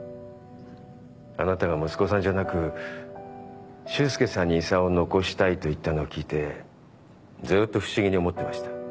あなたが息子さんじゃなく修介さんに遺産を残したいと言ったのを聞いてずっと不思議に思ってました。